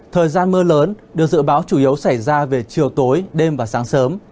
thời gian mưa lớn được dự báo chủ yếu xảy ra về chiều tối đêm và sáng sớm